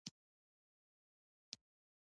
له هوټل نه تردې ځایه نیم ساعت مزل و.